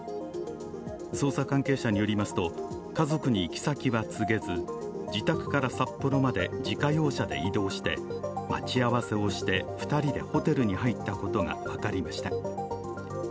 捜査関係者によりますと、家族に行き先は告げず、自宅から札幌まで自家用車で移動して、待ち合わせをして２人でホテルに入ったことが分かりました。